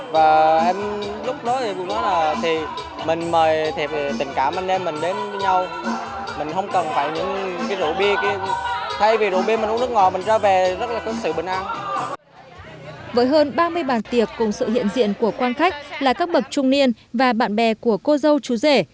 với hơn ba mươi bàn tiệc cùng sự hiện diện của quan khách là các bậc trung niên và bạn bè của cô dâu chú rể